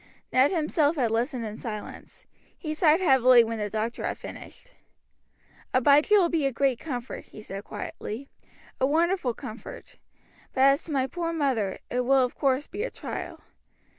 Ned himself had listened in silence. He sighed heavily when the doctor had finished. "Abijah will be a great comfort," he said quietly, "a wonderful comfort; but as to my poor mother, it will of course be a trial.